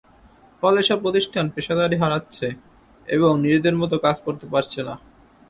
ফলে এসব প্রতিষ্ঠান পেশাদারি হারাচ্ছে এবং নিজেদের মতো কাজ করতে পারছে না।